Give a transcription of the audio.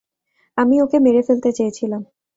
আমি ওকে মেরে ফেলতে চেয়েছিলাম।